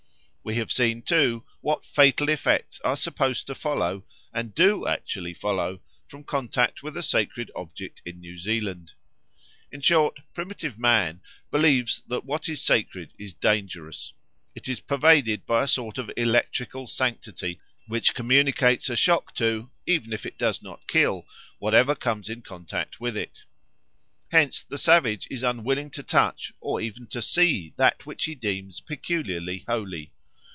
We have seen, too, what fatal effects are supposed to follow, and do actually follow, from contact with a sacred object in New Zealand. In short, primitive man believes that what is sacred is dangerous; it is pervaded by a sort of electrical sanctity which communicates a shock to, even if it does not kill, whatever comes in contact with it. Hence the savage is unwilling to touch or even to see that which he deems peculiarly holy.